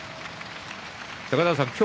高田川さん